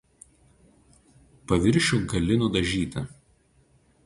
Paviršių gali nudažyti.